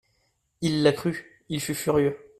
Il la crut, il fut furieux.